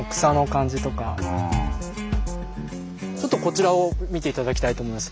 ちょっとこちらを見て頂きたいと思います。